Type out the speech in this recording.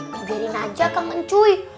pagarin aja kang ncuy